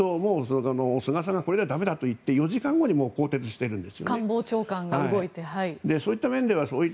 菅さんがこれでは駄目だと言って４時間後に更迭しているんです。